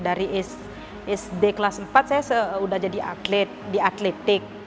dari sd kelas empat saya sudah jadi atlet di atletik